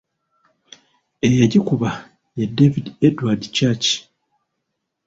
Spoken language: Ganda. Eyagikuba ye David Edward Church.